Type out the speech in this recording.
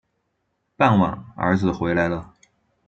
傍晚儿子回来了